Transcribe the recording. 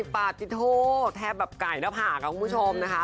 ปาดจิโธ่แทบแบบไก่และผาของคุณผู้ชมนะคะ